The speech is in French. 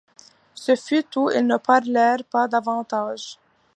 Ce fut tout, ils ne parlèrent pas davantage.